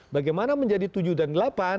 bagaimana menjadi tujuh dan delapan